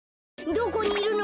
どこにいるの？